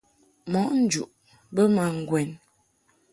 Mɔʼ njuʼ bə ma ŋgwɛn.